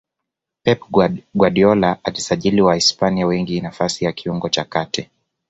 pep guardiola alisajili wahispania wengi nafasi ya kiungo cha kati